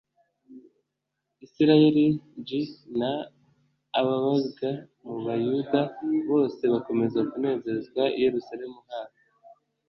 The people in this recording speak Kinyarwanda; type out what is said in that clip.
isirayeli g n ababaga mu buyuda bose bakomeza kunezerwa i yerusalemu haba